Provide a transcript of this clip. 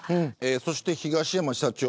そして東山社長。